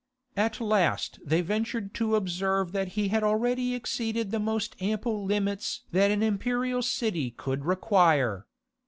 At last they ventured to observe that he had already exceeded the most ample limits that an imperial city could require.